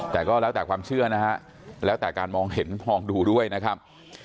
แต่ก็แล้วแต่ความเชื่อนะฮะแล้วแต่การมองเห็นมองดูด้วยนะครับ